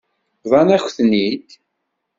Bḍan-akent-ten-id.